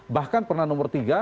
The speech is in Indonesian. bahkan pernah nomor tiga